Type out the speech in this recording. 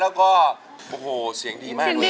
แล้วก็โอ้โหเสียงดีมากเลย